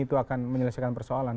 itu akan menyelesaikan persoalan